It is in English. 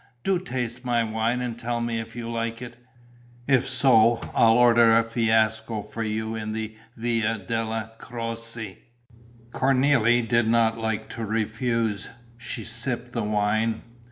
"Do taste my wine and tell me if you like it. If so, I'll order a fiasco for you in the Via della Croce." Cornélie did not like to refuse. She sipped the wine.